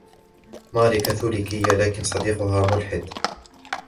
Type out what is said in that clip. ماري كاثوليكية، لكن صديقها ملحد.